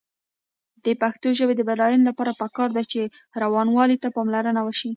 د پښتو ژبې د بډاینې لپاره پکار ده چې روانوالي ته پاملرنه وشي.